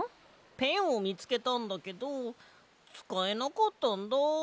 ペンをみつけたんだけどつかえなかったんだ。